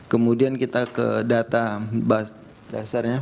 kemudian kita ke data dasarnya